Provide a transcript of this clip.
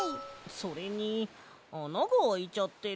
それにあながあいちゃってる。